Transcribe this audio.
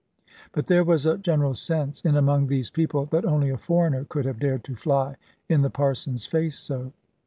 But there was a general sense in among these people, that only a foreigner could have dared to fly in the Parson's face so.